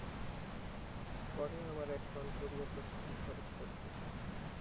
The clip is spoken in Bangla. গড়ে আমার এক পাউণ্ড করিয়া প্রত্যহ খরচ পড়িতেছে।